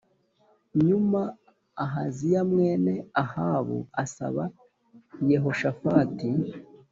Nyuma Ahaziya mwene Ahabu asaba Yehoshafati